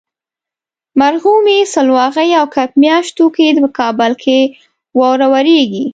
مرغومي ، سلواغې او کب میاشتو کې په کابل کې واوره وریږي.